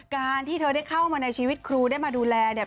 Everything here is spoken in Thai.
การที่เธอได้เข้ามาในชีวิตครูได้มาดูแลเนี่ย